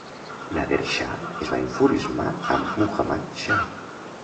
Nader Shah es va enfurismar amb Muhammad Shah.